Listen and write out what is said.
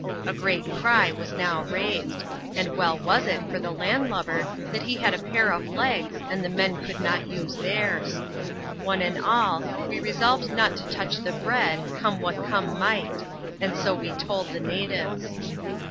A great cry was now raised ; and well was it for the land lubber, ^t he had a pair of legs, and the men could not use thein. One and all, we resolved not to touch the bread, come what come might ; and so we told the natives.